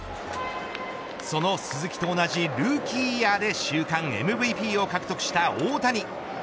その鈴木と同じでルーキーイヤーで週間ＭＶＰを獲得した大谷。